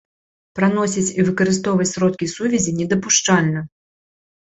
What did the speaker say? Праносіць і выкарыстоўваць сродкі сувязі недапушчальна.